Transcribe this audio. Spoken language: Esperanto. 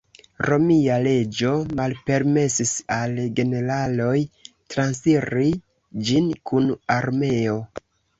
Romia leĝo malpermesis al generaloj transiri ĝin kun armeo.